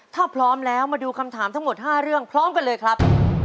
ถ้าพร้อมแล้วมาดูคำถามทั้งหมด๕เรื่องพร้อมกันเลยครับ